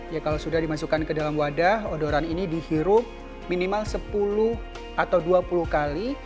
ya kalau sudah dimasukkan ke dalam wadah odoran ini dihirup minimal sepuluh atau dua puluh kali